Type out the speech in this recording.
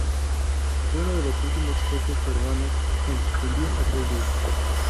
Fue uno de los últimos jefes peruanos en sucumbir aquel día.